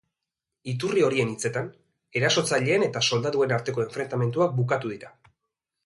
Iturri horien hitzetan, erasotzaileen eta soldaduen arteko enfrentamenduak bukatu dira.